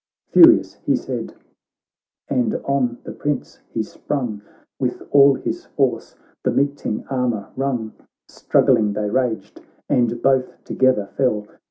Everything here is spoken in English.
Furious he said, and on the Prince he sprung With all his force, the meeting armour rung, Struggling they raged, and both together fell.